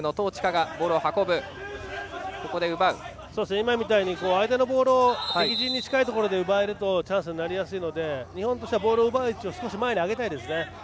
今みたいに相手のボールを敵陣に近いところで奪えるとチャンスになりやすいので日本はボールを奪う位置を少し前に上げたいですね。